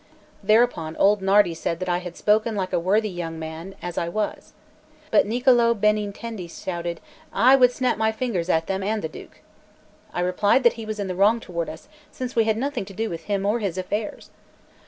Thereupon old Nardi said that I had spoken like a worthy young man as I was. But Niccolò Benintendi shouted: "I snap my fingers at them and the Duke." I replied that he was in the wrong toward us, since we had nothing to do with him or his affairs.